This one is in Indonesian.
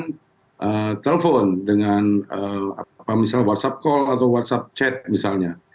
kemudian telepon dengan misalnya whatsapp call atau whatsapp chat misalnya